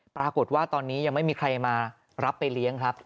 ปรากฏว่าตอนนี้ยังไม่มีใครมารับไปเลี้ยงครับ